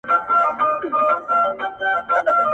له امیانو څه ګیله ده له مُلا څخه لار ورکه!.